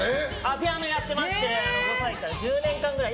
ピアノやってまして１０年間くらい。